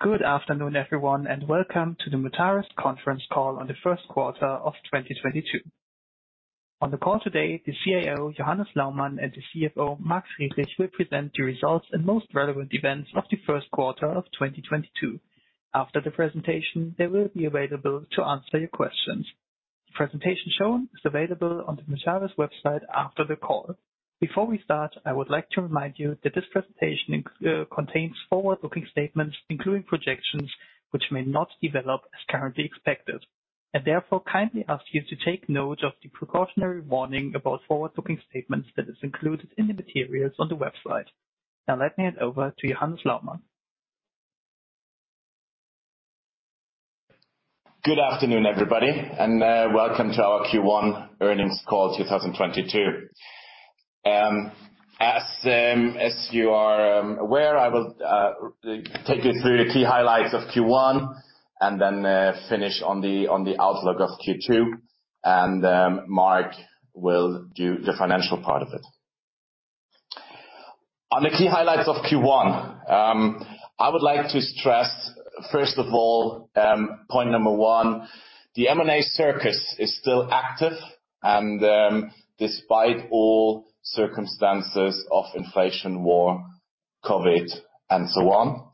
Good afternoon, everyone, and welcome to the Mutares conference call on the first quarter of 2022. On the call today, the CIO, Johannes Laumann, and the CFO, Mark Friedrich, will present the results and most relevant events of the first quarter of 2022. After the presentation, they will be available to answer your questions. The presentation shown is available on the Mutares' website after the call. Before we start, I would like to remind you that this presentation contains forward-looking statements, including projections, which may not develop as currently expected. Therefore kindly ask you to take note of the precautionary warning about forward-looking statements that is included in the materials on the website. Now let me hand over to Johannes Laumann. Good afternoon, everybody, and welcome to our Q1 earnings call 2022. As you are aware, I will take you through the key highlights of Q1 and then finish on the outlook of Q2, and Mark will do the financial part of it. On the key highlights of Q1, I would like to stress, first of all, point number one, the M&A circus is still active, and despite all circumstances of inflation, war, COVID, and so on,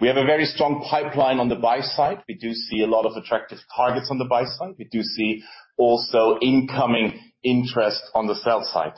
we have a very strong pipeline on the buy side. We do see a lot of attractive targets on the buy side. We do see also incoming interest on the sell side.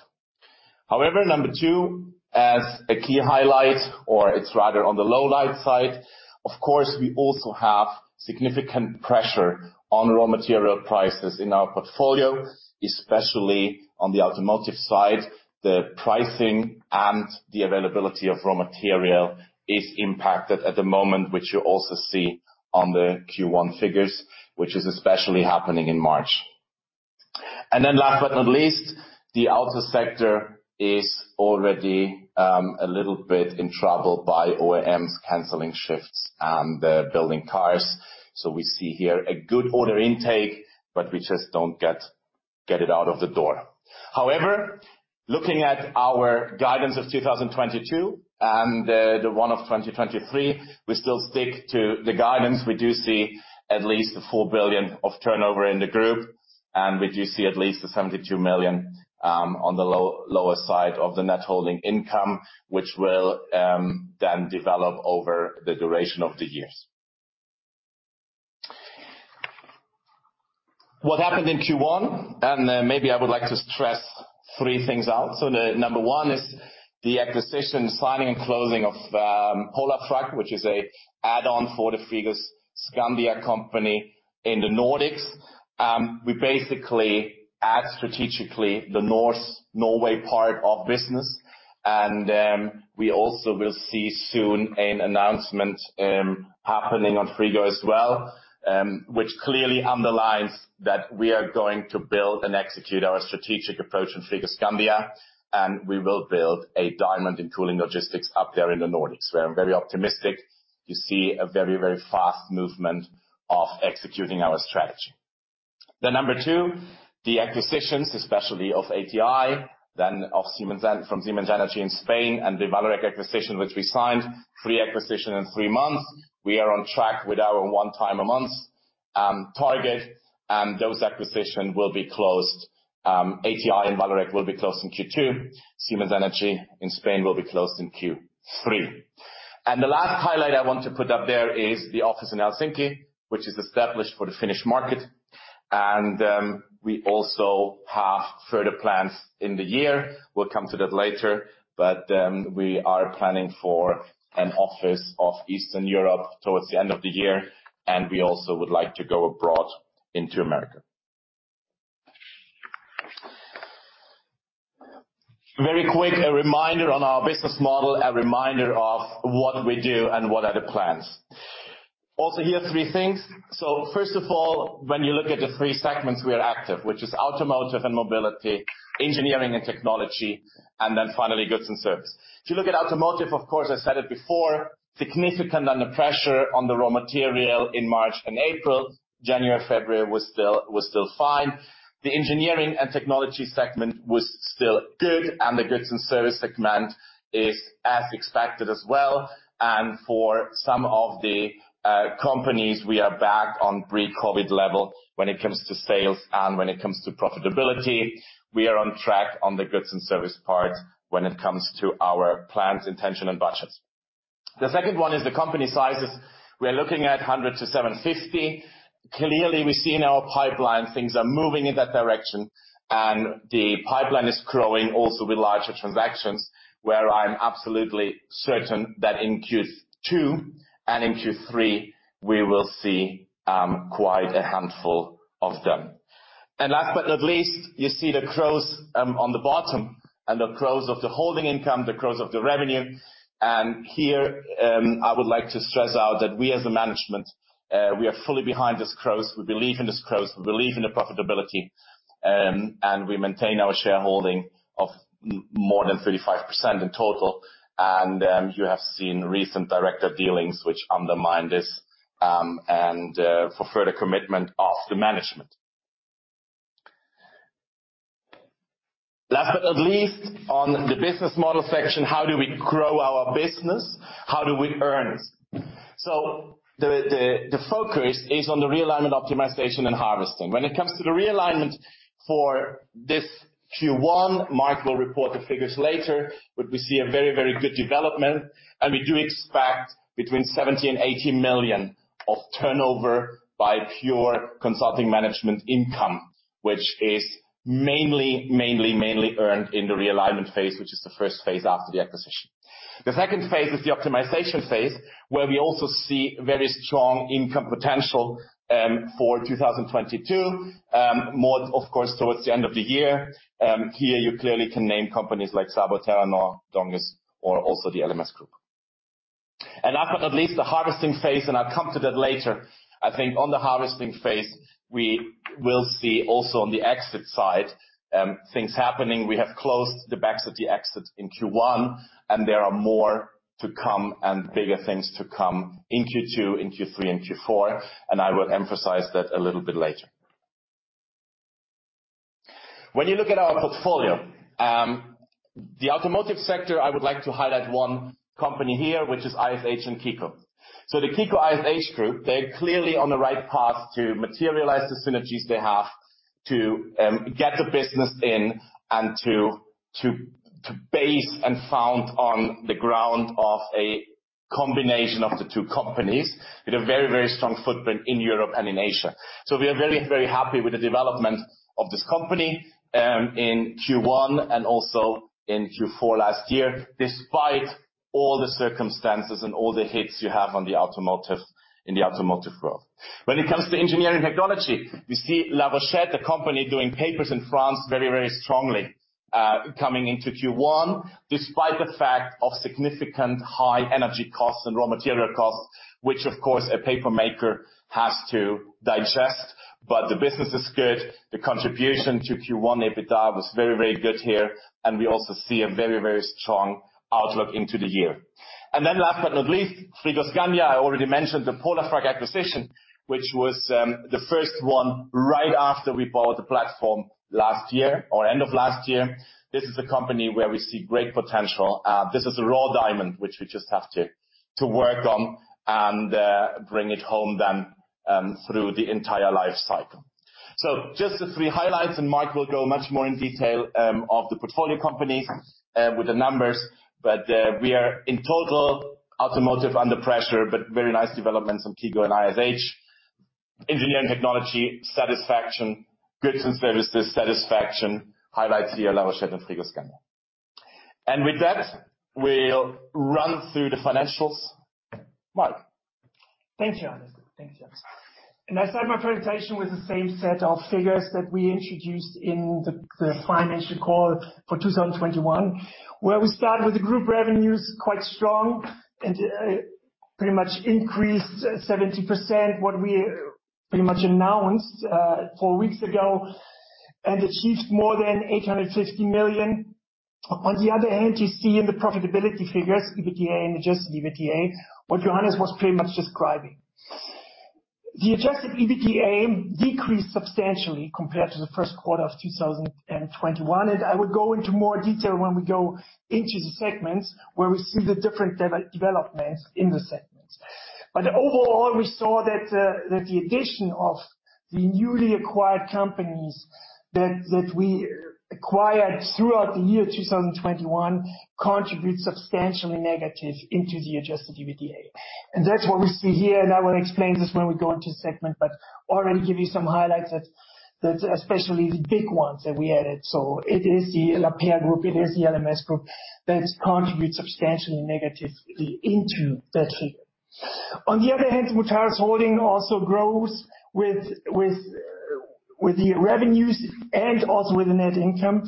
However, number two, as a key highlight, or it's rather on the low light side, of course, we also have significant pressure on raw material prices in our portfolio, especially on the automotive side. The pricing and the availability of raw material is impacted at the moment, which you also see on the Q1 figures, which is especially happening in March. Then last but not least, the auto sector is already a little bit in trouble by OEMs canceling shifts and they're building cars. We see here a good order intake, but we just don't get it out of the door. However, looking at our guidance of 2022 and the one of 2023, we still stick to the guidance. We do see at least 4 billion of turnover in the group, and we do see at least 72 million on the lower side of the net holding income, which will then develop over the duration of the years. What happened in Q1. Maybe I would like to stress three things out. The number one is the acquisition, signing and closing of Polar Frakt, which is an add-on for the Frigoscandia company in the Nordics. We basically add strategically the northern Norway part of business. We also will see soon an announcement happening on Frigo as well, which clearly underlines that we are going to build and execute our strategic approach in Frigoscandia, and we will build a diamond in cooling logistics up there in the Nordics. We are very optimistic to see a very, very fast movement of executing our strategy. Number two, the acquisitions, especially of ATI, then from Siemens Energy in Spain, and the Vallourec acquisition, which we signed, three acquisitions in three months. We are on track with our one time a month target, and those acquisitions will be closed. ATI and Vallourec will be closed in Q2. Siemens Energy in Spain will be closed in Q3. The last highlight I want to put up there is the office in Helsinki, which is established for the Finnish market. We also have further plans in the year. We'll come to that later. We are planning for an office of Eastern Europe towards the end of the year, and we also would like to go abroad into America. Very quick, a reminder on our business model, a reminder of what we do and what are the plans. Also here are three things. First of all, when you look at the three segments, we are active, which is automotive and mobility, engineering and technology, and then finally, goods and service. If you look at automotive, of course, I said it before, significant upward pressure on the raw material in March and April. January, February was still fine. The engineering and technology segment was still good, and the goods and service segment is as expected as well. For some of the companies, we are back on pre-COVID level when it comes to sales and when it comes to profitability. We are on track on the goods and service part when it comes to our plans, intention and budgets. The second one is the company sizes. We are looking at 100-750. Clearly, we see in our pipeline things are moving in that direction and the pipeline is growing also with larger transactions, where I'm absolutely certain that in Q2 and in Q3 we will see quite a handful of them. Last but not least, you see the growth on the bottom and the growth of the holding income, the growth of the revenue. Here, I would like to stress out that we as a management, we are fully behind this growth. We believe in this growth. We believe in the profitability. We maintain our shareholding of more than 35% in total. You have seen recent director dealings which undermine this, and for further commitment of the management. Last but not least, on the business model section, how do we grow our business? How do we earn? The focus is on the realignment, optimization and harvesting. When it comes to the realignment for this Q1, Mark will report the figures later, but we see a very good development. We do expect between 70 million and 80 million of turnover by pure consulting management income, which is mainly earned in the realignment phase, which is the first phase after the acquisition. The second phase is the optimization phase, where we also see very strong income potential for 2022. More, of course, towards the end of the year. Here, you clearly can name companies like SABO, Terranor, Donges, or also the LMS Group. Last but not least, the harvesting phase, and I'll come to that later. I think on the harvesting phase, we will see also on the exit side, things happening. We have closed the bulk of the exits in Q1, and there are more to come and bigger things to come in Q2, in Q3, and Q4, and I will emphasize that a little bit later. When you look at our portfolio, the automotive sector, I would like to highlight one company here, which is ISH and KICO. The KICO ISH Group, they're clearly on the right path to materialize the synergies they have to get the business in and to base and found on the ground of a combination of the two companies with a very, very strong footprint in Europe and in Asia. We are very, very happy with the development of this company in Q1 and also in Q4 last year, despite all the circumstances and all the hits you have in the automotive world. When it comes to engineering technology, we see La Rochette, a company doing papers in France very, very strongly coming into Q1, despite the fact of significant high energy costs and raw material costs, which of course a paper maker has to digest. The business is good. The contribution to Q1 EBITDA was very, very good here, and we also see a very, very strong outlook into the year. Last but not least, Frigoscandia. I already mentioned the Polar Frakt acquisition, which was the first one right after we bought the platform last year or end of last year. This is a company where we see great potential. This is a raw diamond which we just have to work on and bring it home then through the entire life cycle. Just the three highlights, and Mark will go much more in detail of the portfolio companies with the numbers. We are in total automotive under pressure, but very nice developments on KICO & ISH. Engineering technology, satisfaction. Goods and services, satisfaction. Highlights here, La Rochette and Frigoscandia. With that, we'll run through the financials. Mark. Thank you, Johannes. I start my presentation with the same set of figures that we introduced in the financial call for 2021, where we start with the group revenues quite strong and pretty much increased 70% what we pretty much announced four weeks ago and achieved more than 850 million. On the other hand, you see in the profitability figures, EBITDA and adjusted EBITDA, what Johannes was pretty much describing. The adjusted EBITDA decreased substantially compared to the first quarter of 2021, and I will go into more detail when we go into the segments where we see the different development in the segments. Overall, we saw that the addition of the newly acquired companies that we acquired throughout the year 2021 contributes substantially negatively into the adjusted EBITDA. That's what we see here, and I will explain this when we go into segment, but already give you some highlights that especially the big ones that we added. It is the Lapeyre Group, it is the LMS Group that contribute substantially negatively into that figure. On the other hand, Mutares Holding also grows with the revenues and also with the net income.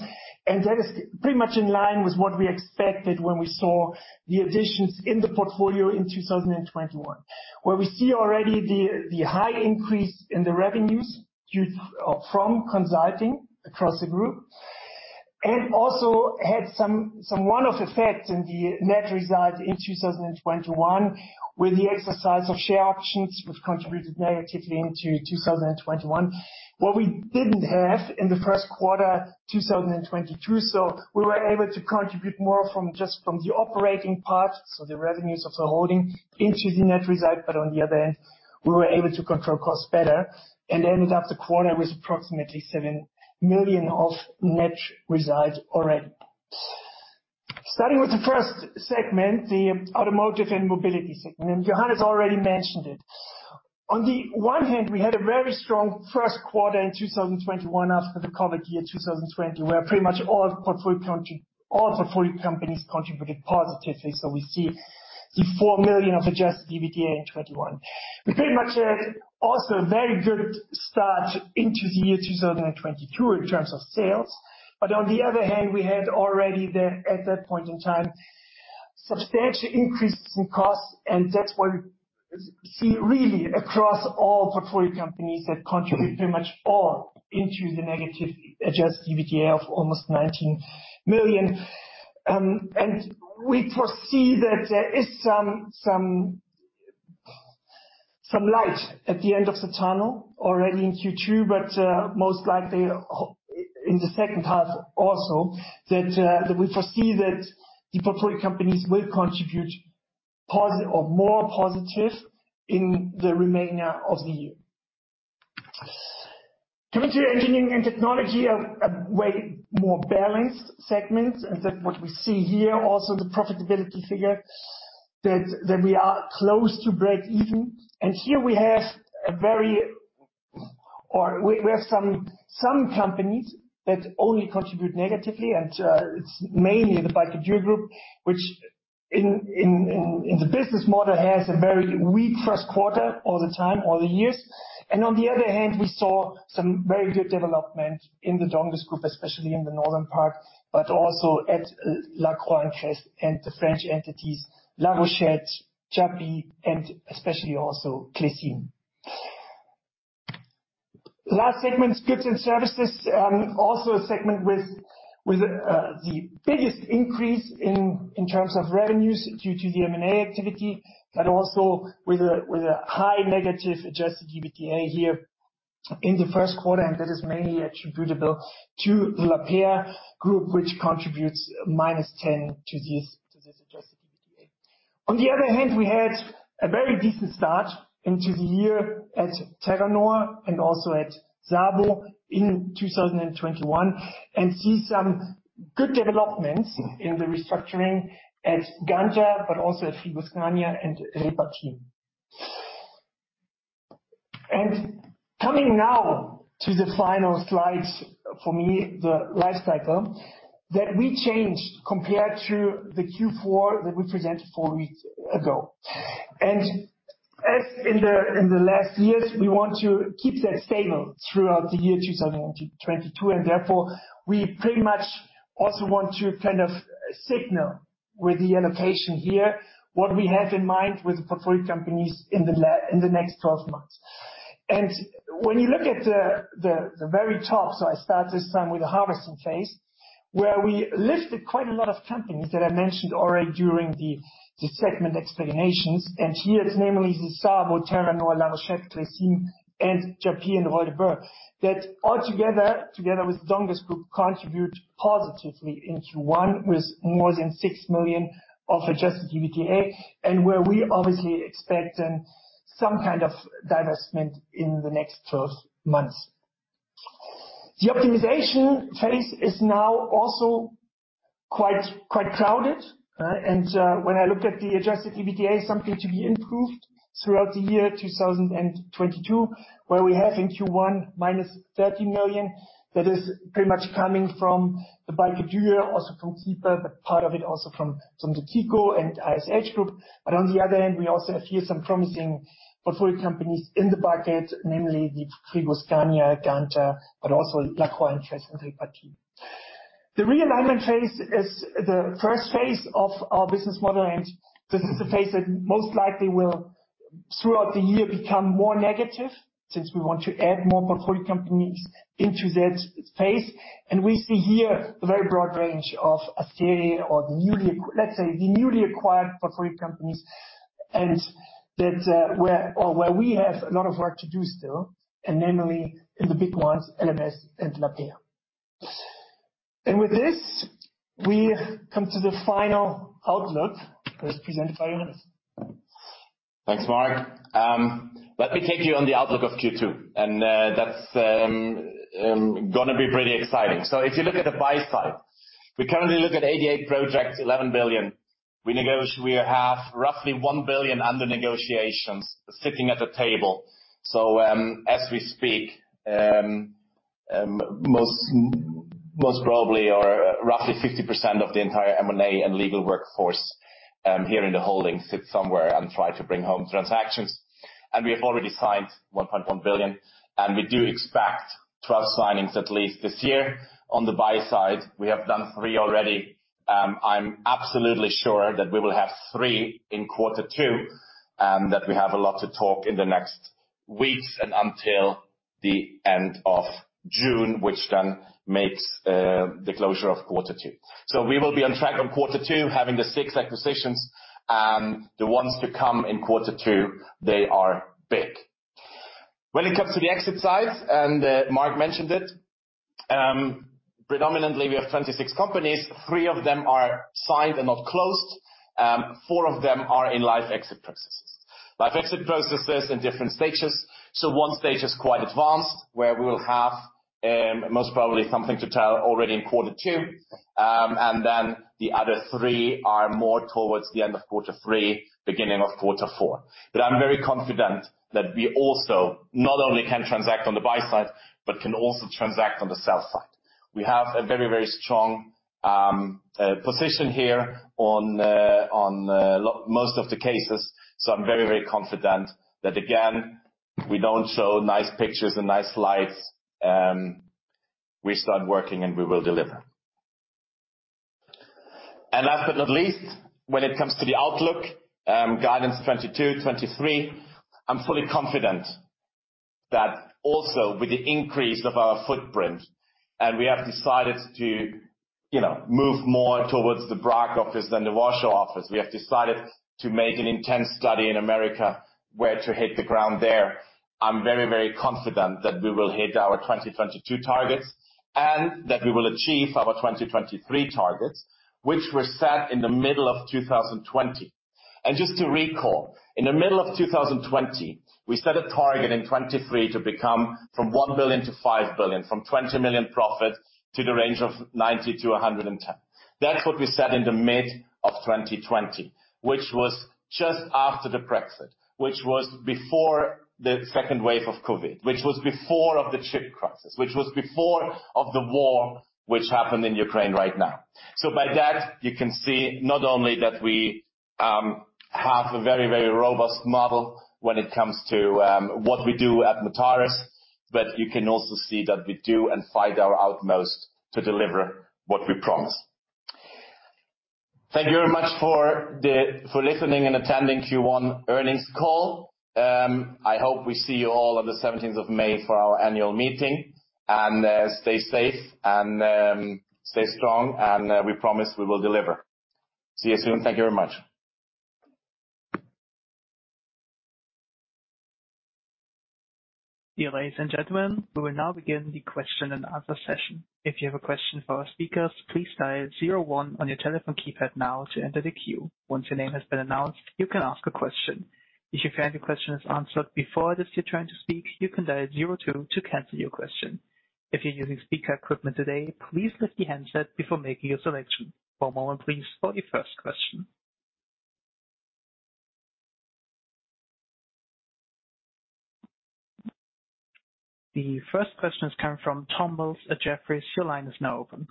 That is pretty much in line with what we expected when we saw the additions in the portfolio in 2021. Where we see already the high increase in the revenues due from consulting across the group, and also had some one-off effects in the net result in 2021 with the exercise of share options, which contributed negatively into 2021. What we didn't have in the first quarter 2022, so we were able to contribute more from just the operating part, so the revenues of the holding into the net result. But on the other hand, we were able to control costs better and ended up the quarter with approximately 7 million of net result already. Starting with the first segment, the automotive and mobility segment. Johannes already mentioned it. On the one hand, we had a very strong first quarter in 2021 after the COVID year, 2020, where pretty much all the portfolio companies contributed positively. We see the 4 million of adjusted EBITDA in 2021. We pretty much had also a very good start into the year 2022 in terms of sales. On the other hand, we had already the, at that point in time, substantial increases in costs. That's what we see really across all portfolio companies that contribute pretty much all into the negative adjusted EBITDA of almost 19 million. We foresee that there is some light at the end of the tunnel already in Q2, but most likely in the second half also that the portfolio companies will contribute more positively in the remainder of the year. Coming to engineering and technology, a way more balanced segment, and what we see here also the profitability figure that we are close to breakeven. Here we have some companies that only contribute negatively, and it's mainly the Balcke-Dürr Group, which in the business model has a very weak first quarter all the time, all the years. On the other hand, we saw some very good development in the Donges Group, especially in the northern part, but also at Lacroix + Kress and the French entities, La Rochette, JAPY, and especially also Clecim. Last segment, goods and services, also a segment with the biggest increase in terms of revenues due to the M&A activity, but also with a high negative adjusted EBITDA here in the first quarter, and that is mainly attributable to the Lapeyre Group, which contributes -10 to this adjusted EBITDA. On the other hand, we had a very decent start into the year at Terranor and also at SABO in 2021, and see some good developments in the restructuring at Ganter, but also at Frigoscandia and Repartim. Coming now to the final slide for me, the life cycle that we changed compared to the Q4 that we presented four weeks ago. As in the last years, we want to keep that stable throughout the year 2022, and therefore we pretty much also want to kind of signal with the allocation here what we have in mind with the portfolio companies in the next 12 months. When you look at the very top, so I start this time with the harvesting phase, where we listed quite a lot of companies that I mentioned already during the segment explanations. Here it's namely the SABO, Terranor, La Rochette, Clecim and JAPY and Wolber, that all together with Donges Group, contribute positively into one with more than 6 million of adjusted EBITDA and where we obviously expect then some kind of divestment in the next 12 months. The optimization phase is now also quite crowded, when I look at the adjusted EBITDA, something to be improved throughout the year 2022, where we have in Q1 -13 million. That is pretty much coming from the Balcke-Dürr, also from Cipa, but part of it also from the KICO & ISH Group. On the other hand, we also have here some promising portfolio companies in the bucket, namely the Frigoscandia, Ganter, but also Lacroix + Kress and Repartim. The realignment phase is the first phase of our business model, and this is the phase that most likely will, throughout the year, become more negative since we want to add more portfolio companies into that phase. We see here a very broad range of areas or let's say the newly acquired portfolio companies and that, where we have a lot of work to do still, and namely in the big ones, LMS and Lapeyre. With this we come to the final outlook that is presented by Johannes. Thanks, Marc. Let me take you on the outlook of Q2 and that's gonna be pretty exciting. If you look at the buy side, we currently look at 88 projects, 11 billion. We have roughly 1 billion under negotiations sitting at the table. As we speak, most probably or roughly 50% of the entire M&A and legal workforce here in the holding sit somewhere and try to bring home transactions. We have already signed 1.1 billion, and we do expect 12 signings at least this year. On the buy side, we have done three already. I'm absolutely sure that we will have three in quarter two, that we have a lot to talk in the next weeks and until the end of June, which then makes the closure of quarter two. We will be on track on quarter two, having the six acquisitions. The ones to come in quarter two, they are big. When it comes to the exit side, Mark mentioned it, predominantly we have 26 companies. Three of them are signed and not closed. Four of them are in live exit processes. Live exit processes in different stages. One stage is quite advanced, where we will have most probably something to tell already in quarter two. Then the other three are more towards the end of quarter three, beginning of quarter four. I'm very confident that we also not only can transact on the buy side, but can also transact on the sell side. We have a very, very strong position here on most of the cases. I'm very, very confident that again, we don't show nice pictures and nice slides. We start working and we will deliver. Last but not least, when it comes to the outlook, guidance 2022, 2023, I'm fully confident that also with the increase of our footprint, and we have decided to, you know, move more towards the Prague office than the Warsaw office. We have decided to make an intense study in America where to hit the ground there. I'm very, very confident that we will hit our 2022 targets and that we will achieve our 2023 targets, which were set in the middle of 2020. Just to recall, in the middle of 2020, we set a target in 2023 to become from 1 billion to 5 billion, from 20 million profit to the range of 90 million to 110 million. That's what we set in the mid of 2020, which was just after the Brexit, which was before the second wave of COVID, which was before the chip crisis, which was before the war which happened in Ukraine right now. By that, you can see not only that we have a very, very robust model when it comes to what we do at Mutares, but you can also see that we do our utmost to deliver what we promise. Thank you very much for listening and attending the Q1 earnings call. I hope we see you all on the seventeenth of May for our annual meeting. Stay safe and stay strong, and we promise we will deliver. See you soon. Thank you very much. Dear ladies and gentlemen, we will now begin the question and answer session. If you have a question for our speakers, please dial zero one on your telephone keypad now to enter the queue. Once your name has been announced, you can ask a question. If you find your question is answered before it is your turn to speak, you can dial zero two to cancel your question. If you're using speaker equipment today, please lift the handset before making your selection. One moment please for the first question. The first question is coming from Tom Mills at Jefferies. Your line is now open.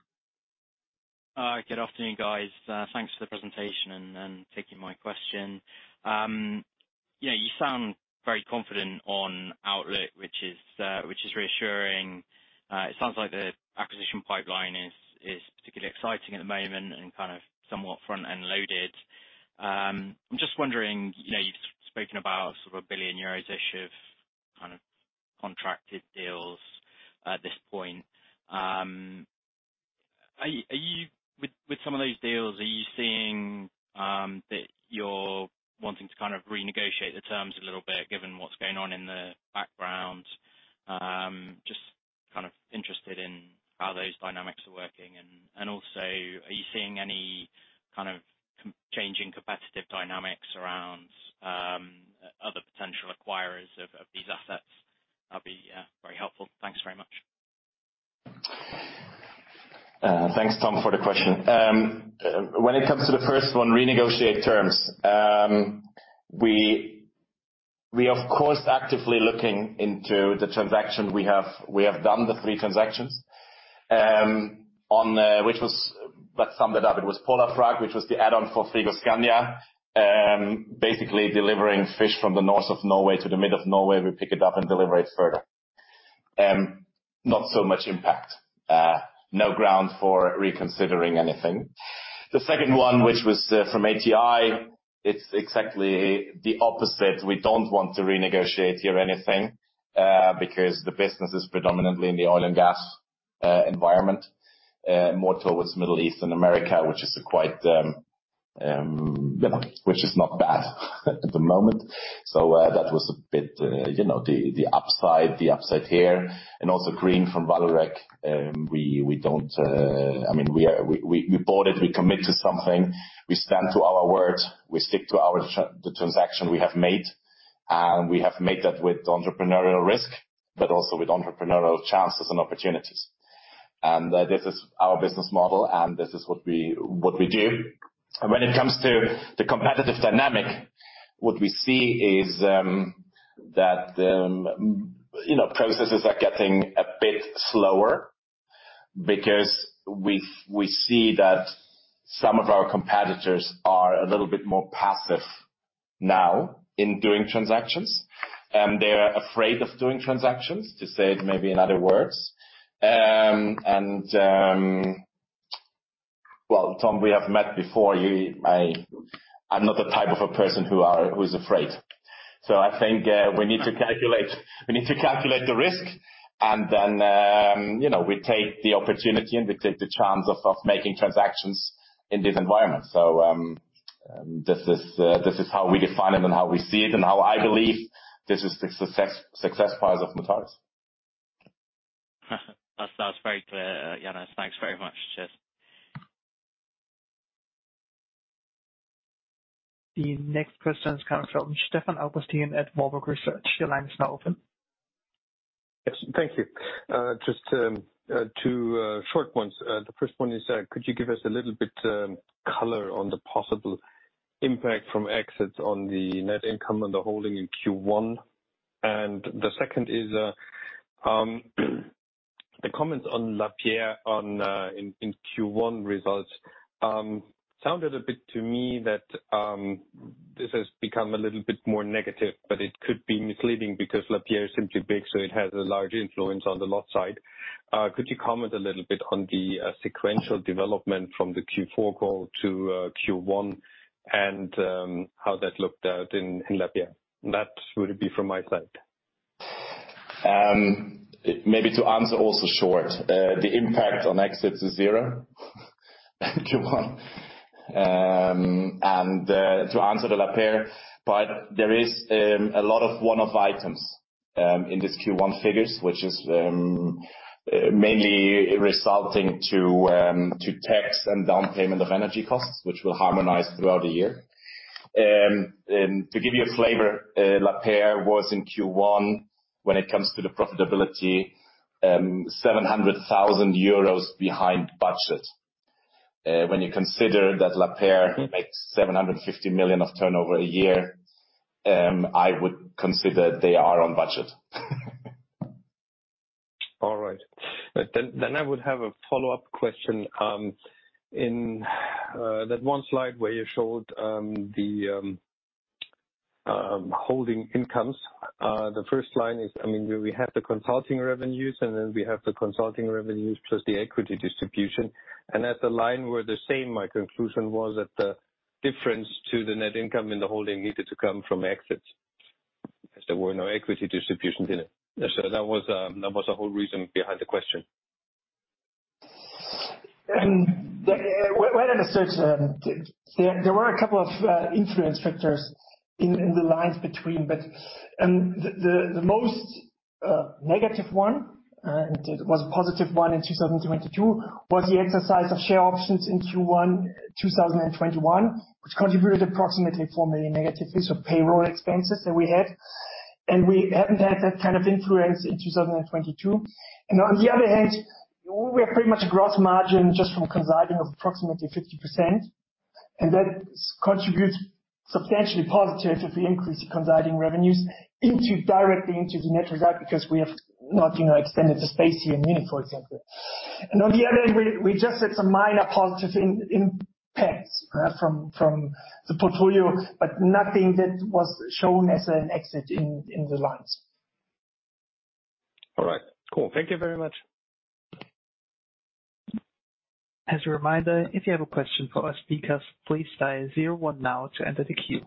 Good afternoon, guys. Thanks for the presentation and taking my question. Yeah, you sound very confident on outlook, which is reassuring. It sounds like the acquisition pipeline is particularly exciting at the moment and kind of somewhat front-end loaded. I'm just wondering, you know, you've spoken about sort of 1 billion euros-ish of kind of contracted deals at this point. Are you, with some of these deals, seeing that you're wanting to kind of renegotiate the terms a little bit given what's going on in the background? Just kind of interested in how those dynamics are working. Also, are you seeing any kind of changing competitive dynamics around other potential acquirers of these assets? That'd be very helpful. Thanks very much. Thanks, Tom, for the question. When it comes to the first one, renegotiate terms, we of course actively looking into the transaction we have. We have done the three transactions. To sum it up, it was Polar Frakt, which was the add-on for Frigoscandia. Basically delivering fish from the north of Norway to the mid of Norway. We pick it up and deliver it further. Not so much impact. No ground for reconsidering anything. The second one, which was from ATI, it's exactly the opposite. We don't want to renegotiate here anything, because the business is predominantly in the oil and gas environment, more towards Middle East and America, which is quite, you know, which is not bad at the moment. That was a bit, you know, the upside here. And also gain from Vallourec. I mean, we bought it, we commit to something. We stand to our word. We stick to the transaction we have made, and we have made that with entrepreneurial risk, but also with entrepreneurial chances and opportunities. This is our business model, and this is what we do. When it comes to the competitive dynamic, what we see is that processes are getting a bit slower because we see that some of our competitors are a little bit more passive now in doing transactions, and they're afraid of doing transactions, to say it maybe in other words. Well, Tom, we have met before. I'm not the type of a person who's afraid. I think we need to calculate the risk and then, you know, we take the opportunity and we take the chance of making transactions in this environment. This is how we define it and how we see it, and how I believe this is the success part of Mutares. That was very clear, Johannes. Thanks very much. Cheers. The next question is coming from Stefan Augustin at Warburg Research. Your line is now open. Yes. Thank you. Just two short ones. The first one is could you give us a little bit color on the possible impact from exits on the net income on the holding in Q1? The second is the comments on Lapeyre in Q1 results sounded a bit to me that this has become a little bit more negative, but it could be misleading because Lapeyre is simply big, so it has a large influence on the loss side. Could you comment a little bit on the sequential development from the Q4 call to Q1 and how that looked in Lapeyre? That would be from my side. Maybe to answer also shortly the impact of the exit is zero in Q1. To answer the Lapeyre, but there is a lot of one-off items in these Q1 figures, which is mainly resulting to tax and down payment of energy costs, which will harmonize throughout the year. To give you a flavor, Lapeyre was in Q1 when it comes to the profitability, 700,000 euros behind budget. When you consider that Lapeyre makes 750 million of turnover a year, I would consider they are on budget. All right. I would have a follow-up question. In that one slide where you showed the holding incomes, the first line is, I mean, we have the consulting revenues, and then we have the consulting revenues plus the equity distribution. As the line were the same, my conclusion was that the difference to the net income in the holding needed to come from exits, as there were no equity distributions in it. That was the whole reason behind the question. There were a couple of influence factors in the lines between. The most negative one, and it was a positive one in 2022, was the exercise of share options in Q1 2021, which contributed approximately 4 million negatively. Payroll expenses that we had, and we haven't had that kind of influence in 2022. On the other hand, we have pretty much a growth margin just from consulting of approximately 50%, and that contributes substantially positive to the increase of consulting revenues directly into the net result because we have not, you know, extended the space here in Munich, for example. On the other hand, we just had some minor positive impacts from the portfolio, but nothing that was shown as an exit in the lines. All right, cool. Thank you very much. As a reminder, if you have a question for our speakers, please dial zero one now to enter the queue.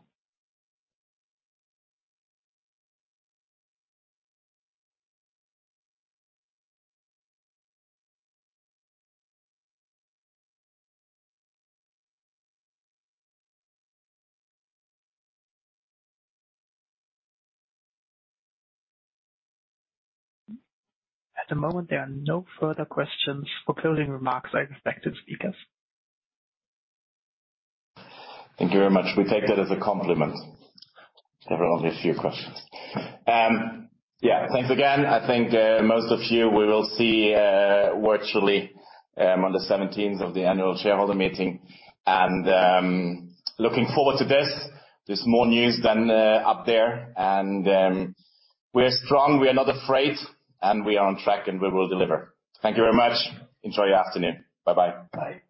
At the moment, there are no further questions for closing remarks by respective speakers. Thank you very much. We take that as a compliment. There were only a few questions. Yeah, thanks again. I think most of you we will see virtually on the seventeenth of the annual shareholder meeting. Looking forward to this. There's more news than up there. We're strong, we are not afraid, and we are on track, and we will deliver. Thank you very much. Enjoy your afternoon. Bye-bye. Bye.